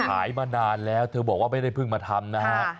มานานแล้วเธอบอกว่าไม่ได้เพิ่งมาทำนะฮะ